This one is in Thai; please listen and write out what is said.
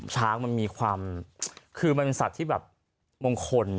ช้างมันมีความคือมันสัตว์ที่แบบมงคล